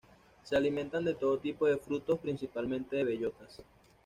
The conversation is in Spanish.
Se alimentan de todo tipo de frutos, principalmente de bellotas.